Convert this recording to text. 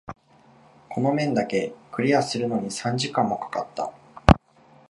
この面だけクリアするのに三時間も掛かった。